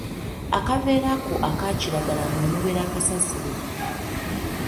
Akaveera ako akakiragala mwe mubeera kasasiro.